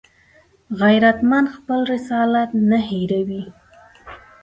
غیرتمند خپل رسالت نه هېروي